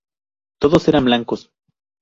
Todos eran blancos.